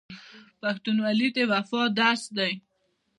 پښتونولي د وفا درس دی.